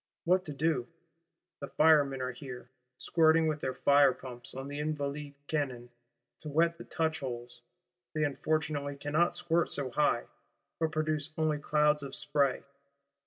What to do? The Firemen are here, squirting with their fire pumps on the Invalides' cannon, to wet the touchholes; they unfortunately cannot squirt so high; but produce only clouds of spray.